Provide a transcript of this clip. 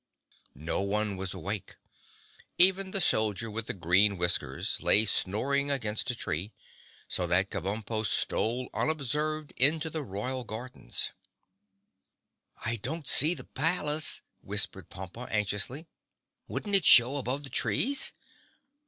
No one was awake. Even the Soldier with the Green Whiskers lay snoring against a tree, so that Kabumpo stole unobserved into the Royal Gardens. "I don't see the palace," whispered Pompa anxiously. "Wouldn't it show above the trees?"